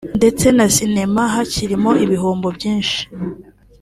ndetse na Sinema hakirimo ibihombo byinshi